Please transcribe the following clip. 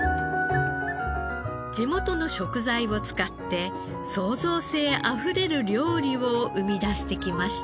地元の食材を使って創造性あふれる料理を生み出してきました。